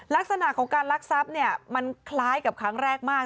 ลักษณะของการลักทรัพย์เนี่ยมันคล้ายกับครั้งแรกมาก